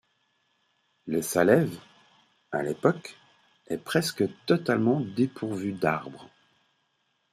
Le Salève, à l’époque, est presque totalement dépourvu d’arbres.